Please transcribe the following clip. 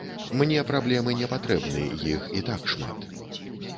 Мне праблемы не патрэбны, іх і так шмат.